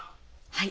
はい。